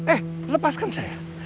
eh lepaskan saya